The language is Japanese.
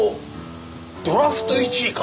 ドラフト１位か！